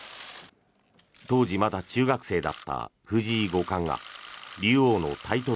当時、まだ中学生だった藤井五冠が竜王のタイトル